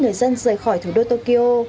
người dân rời khỏi thủ đô tokyo